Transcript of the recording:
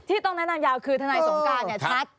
ต้องแนะนำยาวคือทนายสงการชัด